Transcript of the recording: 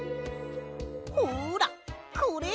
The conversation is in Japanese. ほらこれ！